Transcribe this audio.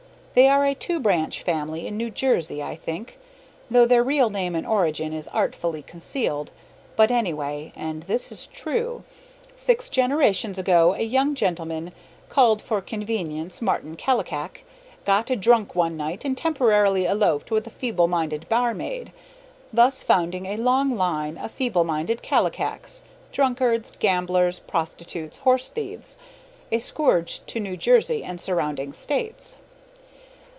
They are a two branch family in New Jersey, I think, though their real name and origin is artfully concealed. But, anyway, and this is true, six generations ago a young gentleman, called for convenience Martin Kallikak, got drunk one night and temporarily eloped with a feeble minded barmaid, thus founding a long line of feeble minded Kallikaks, drunkards, gamblers, prostitutes, horse thieves, a scourge to New Jersey and surrounding States.